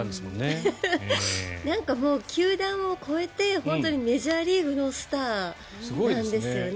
なんかもう球団を超えて本当にメジャーリーグのスターなんですよね。